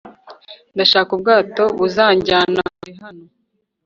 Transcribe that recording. ndashaka ubwato buzanjyana kure hano